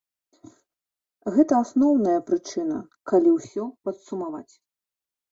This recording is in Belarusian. Гэта асноўная прычына, калі ўсё падсумаваць.